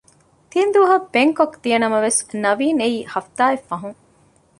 ތިންދުވަހަށް ބެންކޮކަށް ދިޔަނަމަވެސް ނަވީން އެއައީ ހަފްތާއެއް ފަހުން